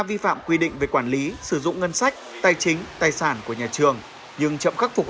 vi phạm quy định về quản lý sử dụng ngân sách tài chính tài sản của nhà trường nhưng chậm khắc phục